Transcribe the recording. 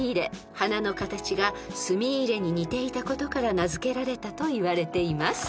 ［花の形が墨入れに似ていたことから名付けられたといわれています］